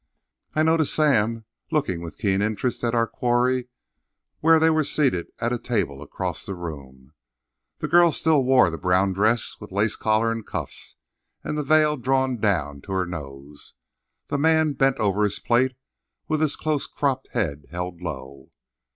—I noticed Sam looking with keen intentness at our quarry where they were seated at a table across the room. The girl still wore the brown dress with lace collar and cuffs, and the veil drawn down to her nose. The man bent over his plate, with his close cropped head held low.